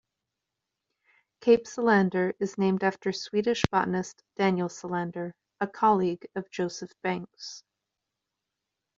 Cape Solander is named after Swedish botanist Daniel Solander, a colleague of Joseph Banks.